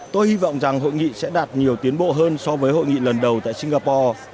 tôi hy vọng rằng hội nghị sẽ đạt nhiều tiến bộ hơn so với hội nghị lần đầu tại singapore